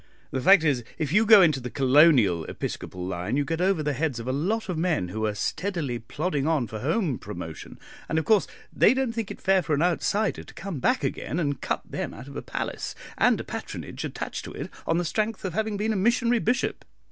The fact is, if you go into the Colonial Episcopal line you get over the heads of a lot of men who are steadily plodding on for home promotion, and, of course they don't think it fair for an outsider to come back again, and cut them out of a palace and the patronage attached to it on the strength of having been a missionary bishop.